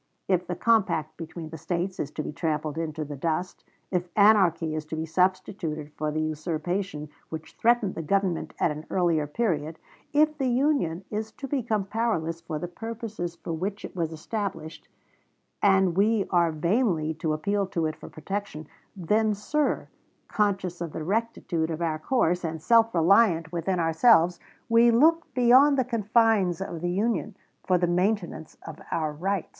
If the compact between the States is to be trampled into the dust; if anarchy is to be substituted for the usurpation which threatened the Government at an earlier period; if the Union is to become powerless for the purposes for which it was established, and we are vainly to appeal to it for protection then, sir, conscious of the rectitude of our course, and self reliant within ourselves, we look beyond the confines of the Union for the maintenance of our rights."